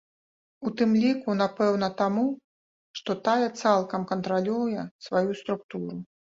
У тым ліку, напэўна, таму, што тая цалкам кантралюе сваю структуру.